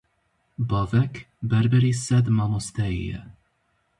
Bavek, berberî sed mamosteyî ye.